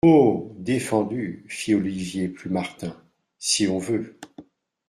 Oh ! défendu, fit Olivier Plumartin ; si on veut.